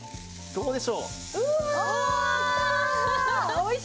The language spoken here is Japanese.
どうでしょうか？